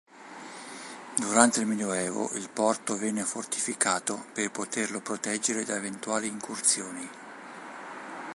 Durante il Medioevo il porto venne fortificato per poterlo proteggere da eventuali incursioni.